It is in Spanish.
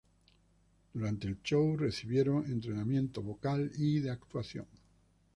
Durante el show, recibieron entrenamiento vocal y de actuación.